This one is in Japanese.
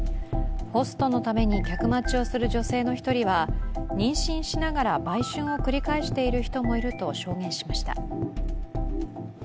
ホストのために客待ちをする女性の一人は妊娠しながら売春を繰り返している人もいると証言しました。